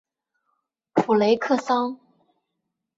普雷克桑。